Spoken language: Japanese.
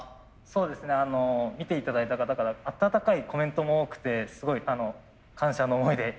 そうですね見て頂いた方から温かいコメントも多くてすごい感謝の思いでいっぱいでございます。